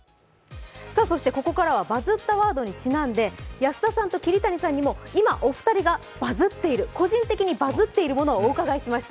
ここからは「バズったワード」にちなんで安田さんと桐谷さんにも今お２人が個人的にバズっているものをお伺いしました。